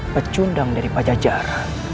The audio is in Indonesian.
pecundang dari pajajar